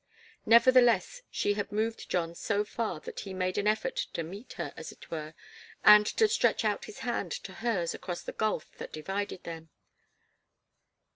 Nevertheless, she had moved John so far that he made an effort to meet her, as it were, and to stretch out his hand to hers across the gulf that divided them.